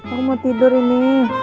aku mau tidur ini